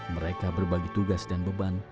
mereka berbagi tugas dan beban